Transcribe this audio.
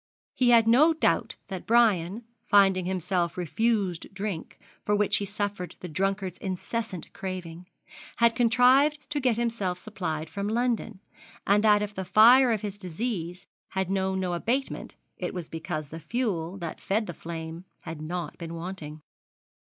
He had no doubt that Brian, finding himself refused drink, for which he suffered the drunkard's incessant craving, had contrived to get himself supplied from London; and that if the fire of his disease had known no abatement it was because the fuel that fed the flame had not been wanting.